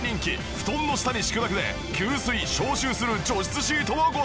布団の下に敷くだけで吸水・消臭する除湿シートのご紹介。